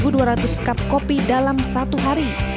mereka diwajibkan menyajikan seribu dua ratus cup kopi dalam satu hari